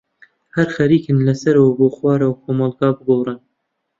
هەر خەرێکن لەسەرەوە بۆ خوارە کۆمەلگا بگۆرن.